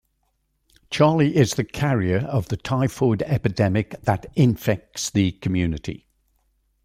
Charlie is the carrier of the typhoid epidemic that infects the community.